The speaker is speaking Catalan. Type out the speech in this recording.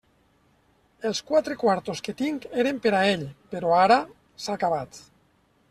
Els quatre quartos que tinc eren per a ell; però ara... s'ha acabat.